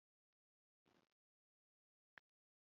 sinaguhoza na nye ndira